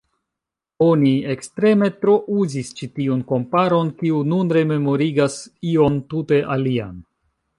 Oni ekstreme trouzis ĉi tiun komparon, kiu nun rememorigas ion tute alian.